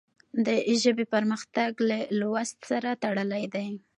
د ژبې پرمختګ له لوست سره تړلی دی.